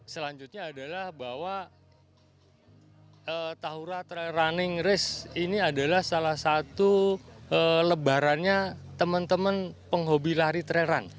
selanjutnya adalah bahwa tahura trail running risk ini adalah salah satu lebarannya teman teman penghobi lari trail run